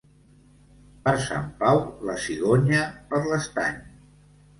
Per Sant Pau, la cigonya per l'estany.